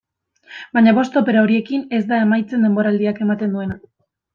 Baina bost opera horiekin ez da amaitzen denboraldiak ematen duena.